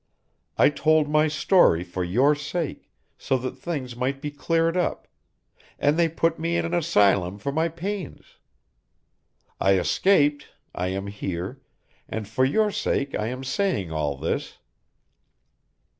I told my story for your sake, so that things might be cleared up, and they put me in an asylum for my pains. I escaped, I am here, and for your sake I am saying all this.